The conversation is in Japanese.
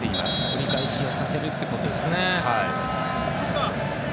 折り返しさせるということですね。